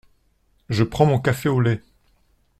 Je prends mon café au lait !